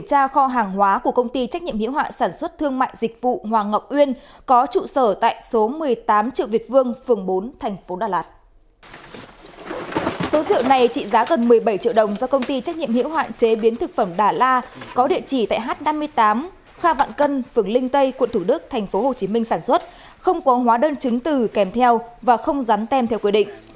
số rượu này trị giá gần một mươi bảy triệu đồng do công ty trách nhiệm hiểu hoạn chế biến thực phẩm đà la có địa chỉ tại h năm mươi tám kha vạn cân phường linh tây quận thủ đức tp hcm sản xuất không có hóa đơn chứng từ kèm theo và không rắn tem theo quy định